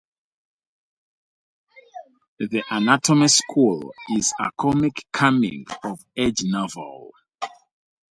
"The Anatomy School" is a comic coming-of-age novel.